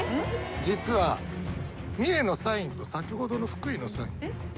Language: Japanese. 実は三重のサインと先ほどの福井のサイン。